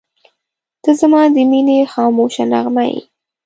• ته زما د مینې خاموشه نغمه یې.